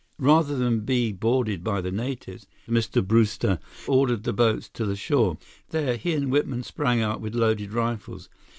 Rather than be boarded by the natives, Mr. Brewster ordered the boats to the shore. There, he and Whitman sprang out with loaded rifles.